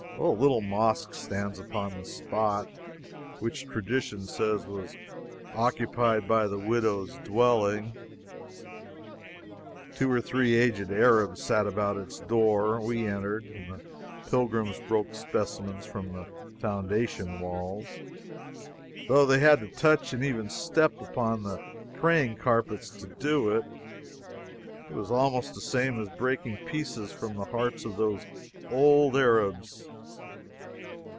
A little mosque stands upon the spot which tradition says was occupied by the widow's dwelling. Two or three aged Arabs sat about its door. We entered, and the pilgrims broke specimens from the foundation walls, though they had to touch, and even step, upon the "praying carpets" to do it. It was almost the same as breaking pieces from the hearts of those old Arabs.